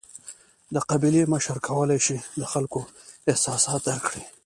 د قبیلې مشر کولای شي د خلکو احساسات درک کړي.